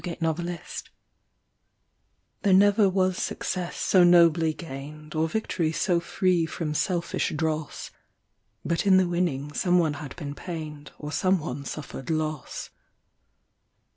SUN SHADOWS There never was success so nobly gained, Or victory so free from selfish dross, But in the winning some one had been pained Or some one suffered loss.